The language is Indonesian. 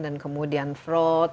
dan kemudian fraud